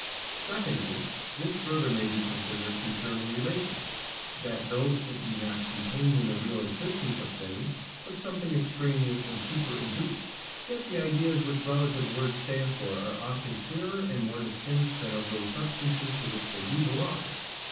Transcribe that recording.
Secondly, This further may be considered concerning relation, that though it be not contained in the real existence of things, but something extraneous and superinduced, yet the ideas which relative words stand for are often clearer and more distinct than of those substances to which they do belong.